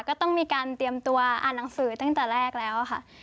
ก็ต้องมีการเตรียมตัวอ่านหนังสือตั้งแต่แรกแล้วค่ะ